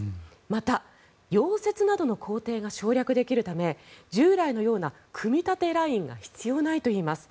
また、溶接などの工程が省略できるため従来のような組み立てラインが必要ないといいます。